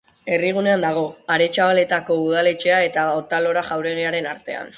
Herrigunean dago, Aretxabaletako udaletxea eta Otalora jauregiaren artean.